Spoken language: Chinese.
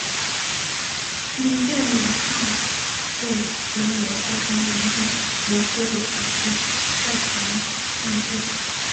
吕在模上述行为构成严重违纪违法并涉嫌犯罪。